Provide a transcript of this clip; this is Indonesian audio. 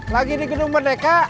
lagi di gedung merdeka